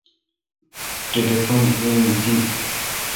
ٹلیفون این تی ۔